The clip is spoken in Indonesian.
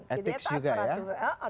etik juga ya